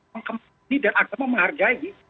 mengkembangkan ini dan agama menghargai